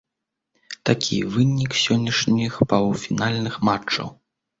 Такі вынік сённяшніх паўфінальных матчаў.